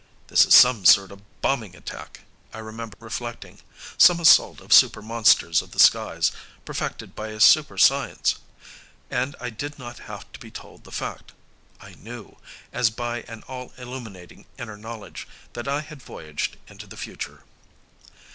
"This is some sort of bombing attack," I remember reflecting, "some assault of super monsters of the skies, perfected by a super science." And I did not have to be told the fact; I knew, as by an all illuminating inner knowledge, that I had voyaged into the future.